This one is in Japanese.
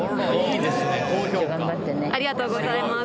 ありがとうございます。